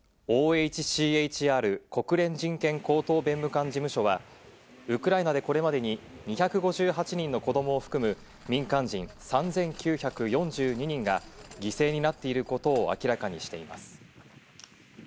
ＯＨＣＨＲ＝国連人権高等弁務官事務所はウクライナでこれまでに２５８人の子供を含む民間人３９４２人が犠牲になっていることを明らかにしています。